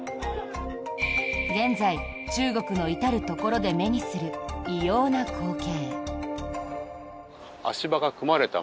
現在中国の至るところで目にする異様な光景。